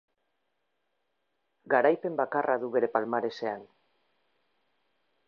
Garaipen bakarra du bere palmaresean.